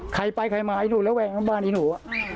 ใครไปใครมาไอ้หนูแหละแหวงบ้านอีหนู